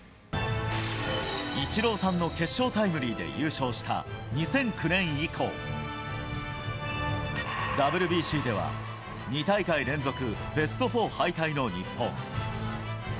イチローさんの決勝タイムリーで優勝した２００９年以降、ＷＢＣでは２大会連続ベスト４敗退の日本。